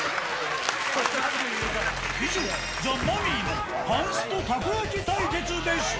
以上、ザ・マミィのパンストたこ焼き対決でした。